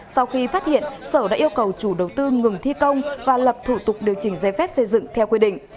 sau khi phát hiện sở đã yêu cầu chủ đầu tư ngừng thi công và lập thủ tục điều chỉnh dây phép xây dựng theo quy định